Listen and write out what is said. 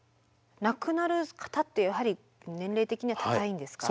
亡くなる方ってやはり年齢的には高いんですか。